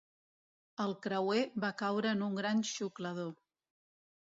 El creuer va caure en un gran xuclador.